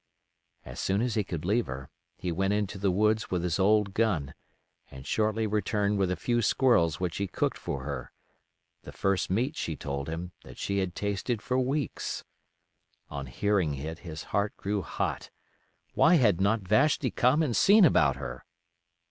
As soon as he could leave her, he went into the woods with his old gun, and shortly returned with a few squirrels which he cooked for her; the first meat, she told him, that she had tasted for weeks. On hearing it his heart grew hot. Why had not Vashti come and seen about her?